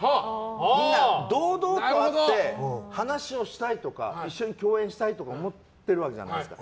みんな、堂々と会って話をしたいとか一緒に共演したいとか思ってるわけじゃないですか。